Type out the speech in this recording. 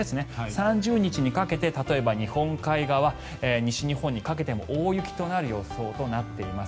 ３０日にかけて、例えば日本海側西日本にかけても大雪となる予想となっています。